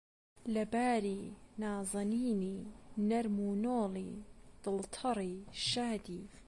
لەباری، نازەنینی، نەرم و نۆڵی، دڵتەڕی، شادی